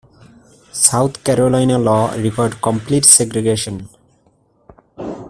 South Carolina law required complete segregation.